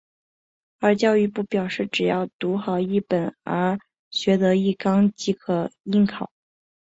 而教育部表示只要读好一本而学得一纲即可应考。